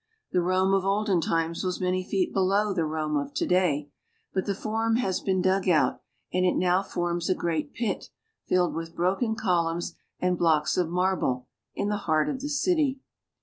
The Rome of olden times was many feet below the Rome of to day, but the Forum has been dug out, and it now forms a great pit, filled with broken columns and blocks of marble, in the heart of the city.